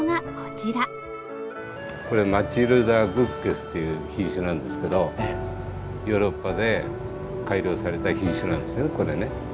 これ「マチルダ・グッゲス」という品種なんですけどヨーロッパで改良された品種なんですよこれね。